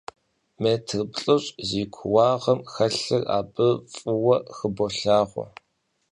Mêtr plh'ış' zi kuuağım xelhır abı f'ıue xıbolhağue.